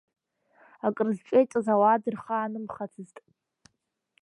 Акрызҿеиҵашаз ауаа дырхаанымхацызт.